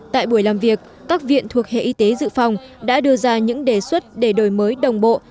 tại buổi làm việc các viện thuộc hệ y tế dự phòng đã đưa ra những đề xuất để đổi mới đồng bộ